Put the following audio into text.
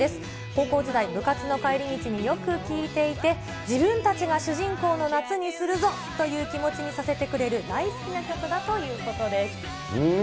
高校時代、部活の帰り道によく聴いていて、自分たちが主人公の夏にするぞという気持ちにさせてくれる大好きな曲だということです。